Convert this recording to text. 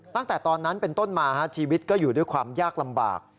ตั้งแต่ตอนนั้นเป็นต้นมาชีวิตก็อยู่ด้วยความยากลำบาก